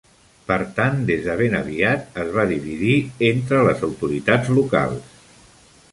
Per tant, des de ben aviat es va dividir entre les autoritats locals.